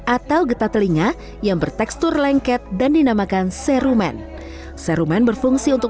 atau getah telinga yang bertekstur lengket dan dinamakan serumen serumen berfungsi untuk